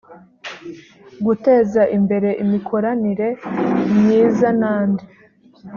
guteza imbere imikoranire myizan andi